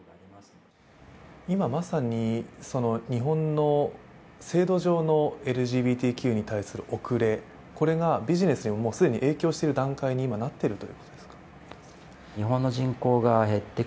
今まさに、日本の制度上のＬＧＢＴＱに対する遅れがビジネスには既に影響している段階になっていると？